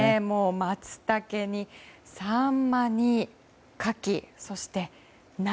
マツタケにサンマにカキそして梨。